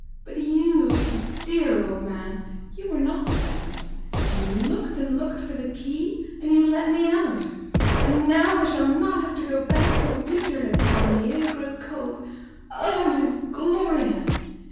But you, you dear old man, you were not frightened, and you looked and looked for the key, and you let me out, and now I shall not have to go back till winter has come, and the air grows cold. Oh, it is glorious!